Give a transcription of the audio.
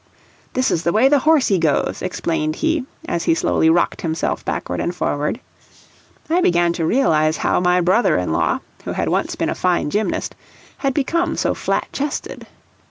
"This is the way the horsie goes," explained he, as he slowly rocked himself backward and forward. I began to realize how my brother in law, who had once been a fine gymnast, had become so flat chested.